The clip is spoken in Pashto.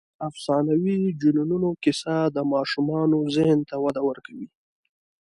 د افسانوي جنونو کیسه د ماشومانو ذهن ته وده ورکوي.